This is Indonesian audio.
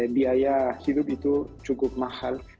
biaya hidup itu cukup mahal